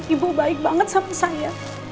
ibu baik banget sama saya